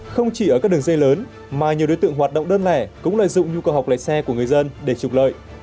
không chỉ ở các đường dây lớn mà nhiều đối tượng hoạt động đơn lẻ cũng lợi dụng nhu cầu học lấy xe của người dân để trục lợi